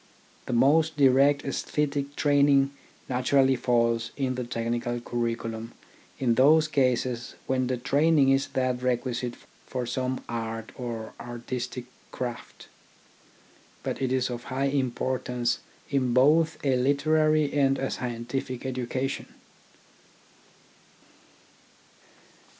The most direct aesthetic training naturally falls in the technical curriculum in those cases when the training is that requisite for some art or artistic craft. But it is of high importance in both a literary and a scientific education.